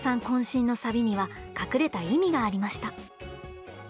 渾身のサビには隠れた意味がありました。